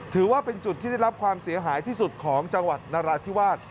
ถือว่าเป็นจุดที่ได้รับความเสียหายที่สุดของจังหวัดนราธิวาส